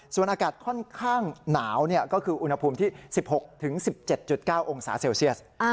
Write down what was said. ส่วนอากาศค่อนข้างหนาวก็คืออุณหภูมิที่๑๖๑๗๙องศาเซลเซียส